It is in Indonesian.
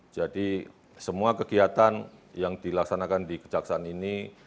jadi semua kegiatan yang dilaksanakan di kejaksaan ini